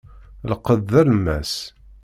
Lqed d alemmas.